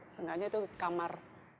seenggaknya itu kamar